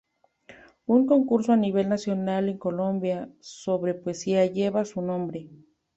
Un concurso a nivel nacional en Colombia, sobre poesía, lleva su nombre.